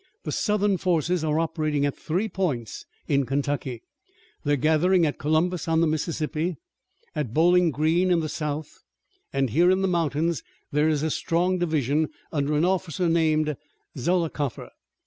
The Southern forces are operating at three points in Kentucky. They are gathering at Columbus on the Mississippi, at Bowling Green in the south, and here in the mountains there is a strong division under an officer named Zollicoffer.